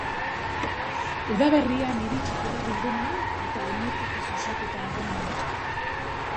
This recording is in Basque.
Udaberrian iritsiko da bilduma hau eta oinetakoz osatuta egongo da.